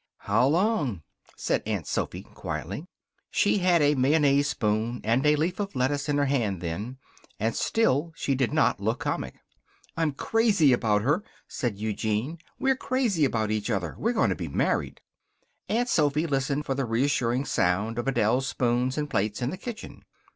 "How long?" said Aunt Sophy, quietly. She had a mayonnaise spoon and a leaf of lettuce in her hand then, and still she did not look comic. "I'm crazy about her," said Eugene. "We're crazy about each other. We're going to be married." Aunt Sophy listened for the reassuring sound of Adele's spoons and plates in the kitchen.